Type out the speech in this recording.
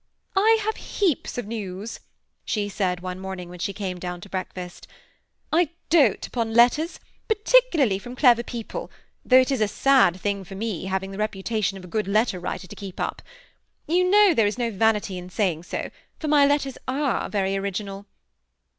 *' I have heaps of news," she said one morning when she came down to breakfast ^' I dote upon letters, par ticularly from clever people, though it is a sad thing for me having the reputation of a good letter writer to keep up. You know there is no vanity in saying so, for my letters are very original."